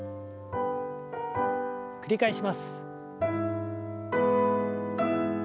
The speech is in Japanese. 繰り返します。